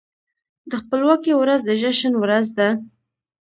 د خپلواکۍ ورځ د جشن ورځ ده.